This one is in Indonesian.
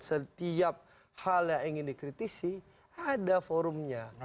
setiap hal yang ingin dikritisi ada forumnya